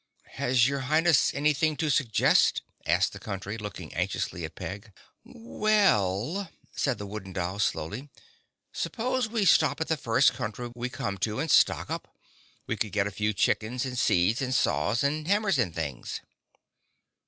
"Has your Highness anything to suggest?" asked the Country, looking anxiously at Peg. "Well," said the Wooden Doll slowly, "suppose we stop at the first country we come to and stock up. We could get a few chickens and seeds and saws and hammers and things."